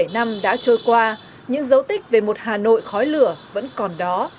bảy mươi năm đã trôi qua những dấu tích về một hà nội khói lửa vẫn còn đó